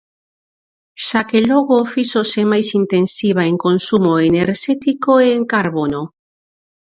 Xa que logo, fíxose máis intensiva en consumo enerxético e en carbono.